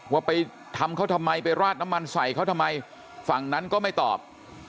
ว่าไปทำเขาทำไมไปราดน้ำมันใส่เขาทำไมฝั่งนั้นก็ไม่ตอบ